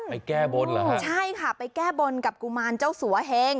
ไปแก้บนเหรอฮะใช่ค่ะไปแก้บนกับกุมารเจ้าสัวเฮง